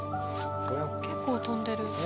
結構飛んでる。